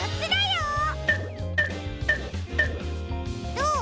どう？